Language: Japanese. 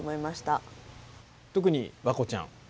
特に和子ちゃん